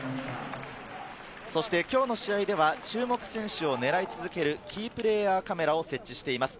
今日の試合では注目選手を狙い続けるキープレイヤーカメラを設置しています。